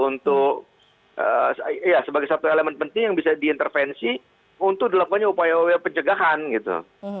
untuk ya sebagai satu elemen penting yang bisa diintervensi untuk dilakukannya upaya upaya pencegahan gitu